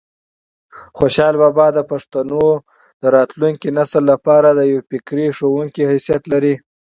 خوشحال بابا د پښتنو د راتلونکي نسل لپاره د یو فکري ښوونکي حیثیت لري.